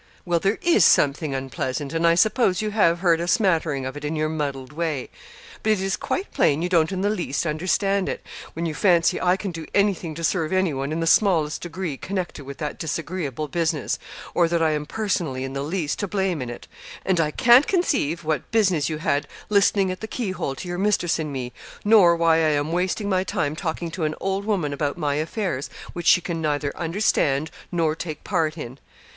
'Well, there is something unpleasant, and I suppose you have heard a smattering of it in your muddled way; but it is quite plain you don't in the least understand it, when you fancy I can do anything to serve anyone in the smallest degree connected with that disagreeable business or that I am personally in the least to blame in it; and I can't conceive what business you had listening at the keyhole to your mistress and me, nor why I am wasting my time talking to an old woman about my affairs, which she can neither understand nor take part in.'